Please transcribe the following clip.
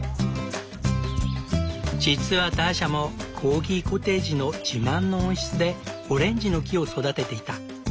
実はターシャもコーギコテージの自慢の温室でオレンジの木を育てていた。